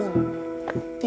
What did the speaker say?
eh lu minggir